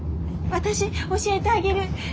私教えてあげる。